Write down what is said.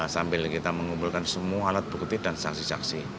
sambil kita mengumpulkan semua alat bukti dan saksi saksi